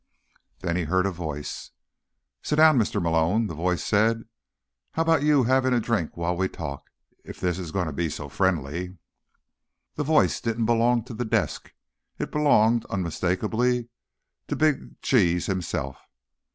Then he heard a voice. "Sit down, Mr. Malone," the voice said. "How about you having a drink while we talk? If this is going to be so friendly." The voice didn't belong to the desk. It belonged, unmistakably, to Big Cheese himself.